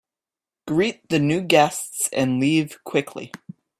Greet the new guests and leave quickly.